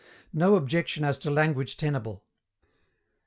NO OBJECTION AS TO LANGUAGE TENABLE.